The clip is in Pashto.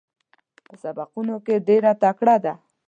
په سبقونو کې ډېره تکړه ده.